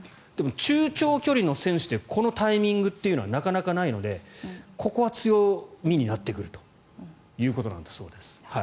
でも、中長距離の選手でこのタイミングというのはなかなかないのでここは強みになってくるということなんだそうです。